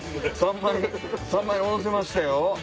三枚におろせましたよ。